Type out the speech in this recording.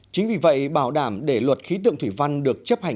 chính vì vậy bảo đảm để luật khí tượng thủy văn được chấp hành